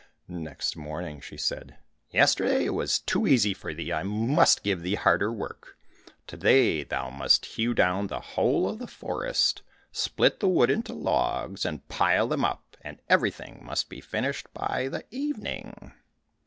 Next morning she said, "Yesterday it was too easy for thee, I must give thee harder work. To day thou must hew down the whole of the forest, split the wood into logs, and pile them up, and everything must be finished by the evening."